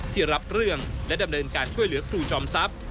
รับเรื่องและดำเนินการช่วยเหลือครูจอมทรัพย์